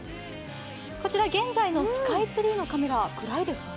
こちら現在のスカイツリーのカメラ、暗いですね。